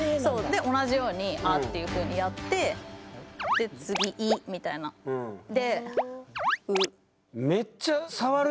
で同じように「あ」っていうふうにやってで次「い」みたいな。で「う」。